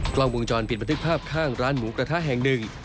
กล้องวงจรปิดบันทึกภาพข้างร้านหมูกระทะแห่งหนึ่ง